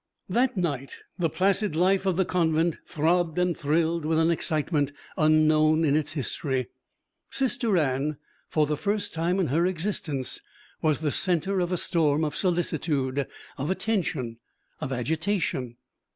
That night the placid life of the convent throbbed and thrilled with an excitement unknown in its history. Sister Anne, for the first time in her existence, was the centre of a storm of solicitude, of attention, of agitation.